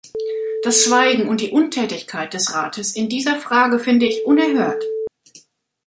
Das Schweigen und die Untätigkeit des Rates in dieser Frage finde ich unerhört.